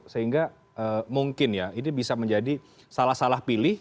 sehingga mungkin ya ini bisa menjadi salah salah pilih